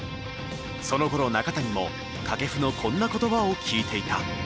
そのころ中谷も掛布のこんな言葉を聞いていた。